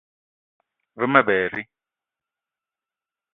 Ve ma berri